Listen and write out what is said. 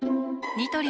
ニトリ